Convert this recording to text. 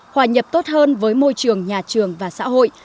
hòa nhập tốt hơn với môi trường nhà trường và xã hội